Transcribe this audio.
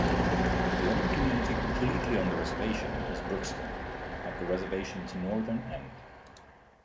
The only community completely on the reservation is Brookston, at the reservation's northern end.